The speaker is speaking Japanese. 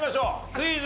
クイズ。